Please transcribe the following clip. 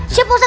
siap lah mana